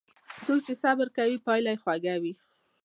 څوک چې صبر کوي، پایله یې خوږه وي.